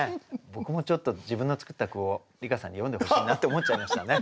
僕もちょっと自分の作った句を梨香さんに読んでほしいなって思っちゃいましたね。